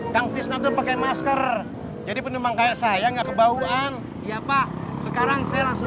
yang tisnatu pakai masker jadi penemang kayak saya nggak kebauan ya pak sekarang saya langsung